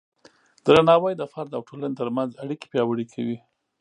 درناوی د فرد او ټولنې ترمنځ اړیکې پیاوړې کوي.